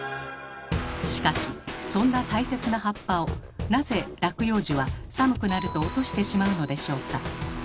しかしそんな大切な葉っぱをなぜ落葉樹は寒くなると落としてしまうのでしょうか？